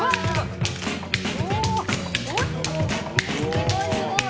すごい、すごい。